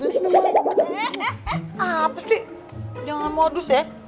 eh apa sih jangan modus ya